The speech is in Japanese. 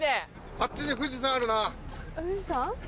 あっちに富士山あるな。